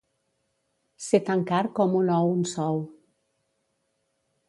Ser tan car com un ou un sou.